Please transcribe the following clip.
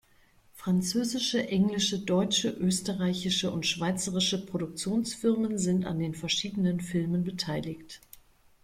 Französische, englische, deutsche, österreichische und schweizerische Produktionsfirmen sind an den verschiedenen Filmen beteiligt.